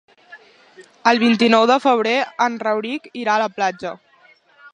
El vint-i-nou de febrer en Rauric irà a la platja.